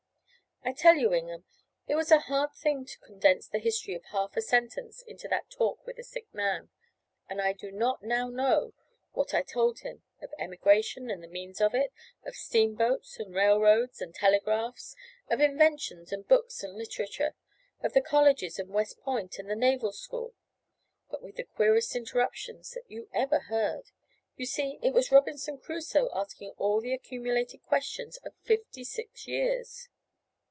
I tell you, Ingham, it was a hard thing to condense the history of half a century into that talk with a sick man. And I do not now know what I told him of emigration, and the means of it of steamboats, and railroads, and telegraphs of inventions, and books, and literature of the colleges, and West Point, and the Naval School but with the queerest interruptions that ever you heard. You see it was Robinson Crusoe asking all the accumulated questions of fifty six years!